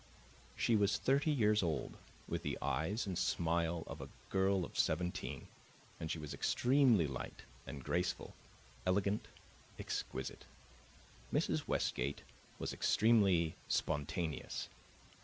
She was thirty years old, with the eyes and the smile of a girl of seventeen, and she was extremely light and graceful, elegant, exquisite. Mrs. Westgate was extremely spontaneous.